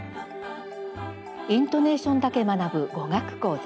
「イントネーションだけ学ぶ語学講座」。